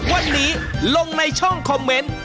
วันนี้ลงในช่องคอมเมนต์